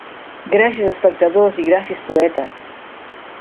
Gràcies espectadors i gràcies poetes.